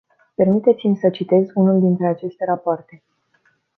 Permiteți-mi să citez unul dintre aceste rapoarte.